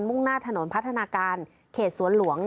่งหน้าถนนพัฒนาการเขตสวนหลวง